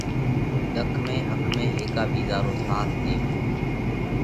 ۮک ۾ ۿک ۾ هيڪا ٻِيزا رو ساٿ ۮيوو۔